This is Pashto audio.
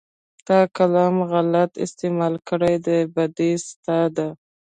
تا قلم غلط استعمال کړى دى بدي ستا ده.